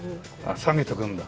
下げておくんだ。